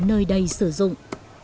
nơi đây sử dụng